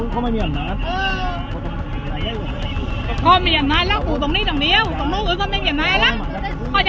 เขาไม่มีอำนาจ